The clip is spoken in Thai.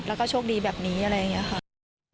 แล้วก็โชคดีแบบนี้อะไรอย่างนี้ค่ะ